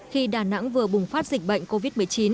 khi đà nẵng vừa bùng phát dịch bệnh covid một mươi chín